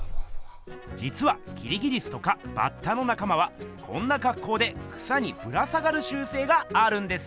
じつはきりぎりすとかバッタのなかまはこんなかっこうで草にぶら下がるしゅうせいがあるんです！